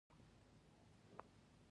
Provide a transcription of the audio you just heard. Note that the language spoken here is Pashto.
د پښتنو په کلتور کې د رومال کارول دود دی.